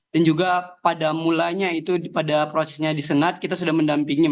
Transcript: juga pada mulanya itu pada prosesnya di senat kita sudah mendampingi